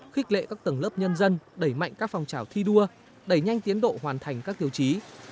khích lệ các tầng lớp nhân dân đẩy mạnh các phòng trào thi đua đẩy nhanh tiến độ hoàn thành các tiêu chí